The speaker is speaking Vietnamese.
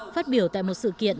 phát biểu tại một sự kiện